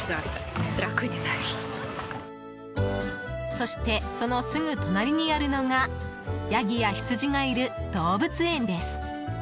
そして、そのすぐ隣にあるのがヤギやヒツジがいる動物園です。